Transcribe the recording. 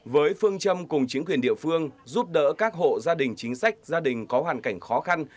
với phương châm cùng chính quyền địa phương giúp đỡ các hộ gia đình chính sách gia đình có hoàn cảnh khó khăn